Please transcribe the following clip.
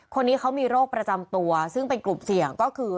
คนนี้เขามีโรคประจำตัวซึ่งเป็นกลุ่มเสี่ยงก็คือ